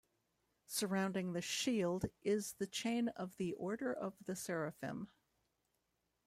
Surrounding the shield is the chain of the Order of the Seraphim.